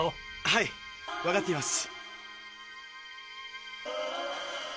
はいわかっています。